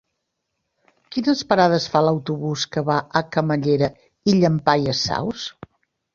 Quines parades fa l'autobús que va a Camallera i Llampaies Saus?